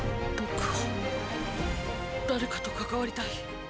僕は誰かと関わりたい。